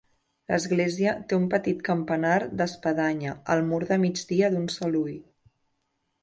L'església té un petit campanar d'espadanya al mur de migdia d'un sol ull.